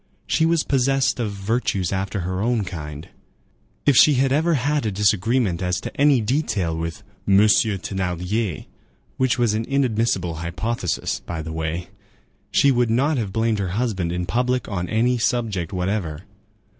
She was possessed of virtues after her own kind; if she had ever had a disagreement as to any detail with "Monsieur Thénardier,"—which was an inadmissible hypothesis, by the way,—she would not have blamed her husband in public on any subject whatever.